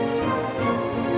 nggak diangkat ma